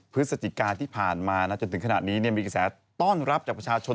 พฤษจิการที่ผ่านมานะจนถึงขนาดนี้เนี่ยมันแพ้กษาต้อนรับจากประชาชน